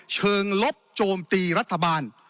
เชิงลบโจมตีรัฐบาล